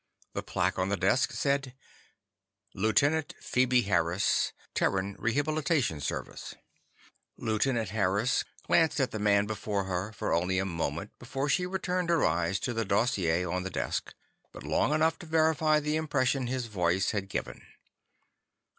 The plaque on the desk said: LT. PHOEBE HARRIS TERRAN REHABILITATION SERVICE Lieutenant Harris glanced at the man before her for only a moment before she returned her eyes to the dossier on the desk; but long enough to verify the impression his voice had given.